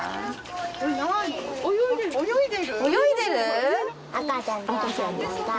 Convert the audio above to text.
泳いでる？